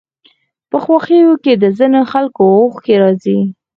په خوښيو کې د ځينو خلکو اوښکې راځي.